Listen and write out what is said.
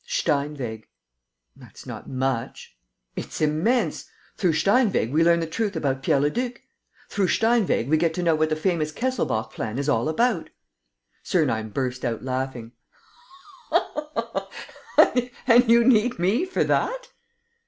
"Steinweg." "That's not much." "It's immense. Through Steinweg, we learn the truth about Pierre Leduc. Through Steinweg, we get to know what the famous Kesselbach plan is all about." Sernine burst out laughing: "And you need me for that?"